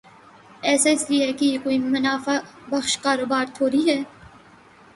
ایسا اس لئے ہے کہ یہ کوئی منافع بخش کاروبار تھوڑی ہے۔